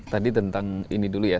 tadi tentang ini dulu ya